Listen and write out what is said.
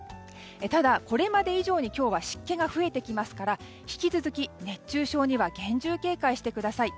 ただ、これまで以上に今日は湿気が増えてきますから引き続き熱中症には厳重警戒してください。